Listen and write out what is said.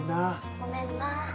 ごめんな